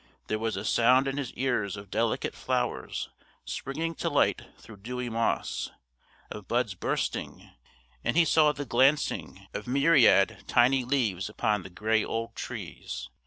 There was a sound in his ears of delicate flowers springing to light through dewy moss, of buds bursting, and he saw the glancing of myriad tiny leaves upon the grey old trees.